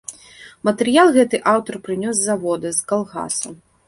Матэрыял гэты аўтар прынёс з завода, з калгаса.